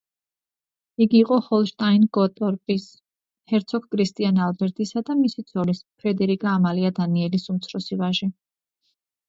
იგი იყო ჰოლშტაინ-გოტორპის ჰერცოგ კრისტიან ალბერტისა და მისი ცოლის, ფრედერიკა ამალია დანიელის უმცროსი ვაჟი.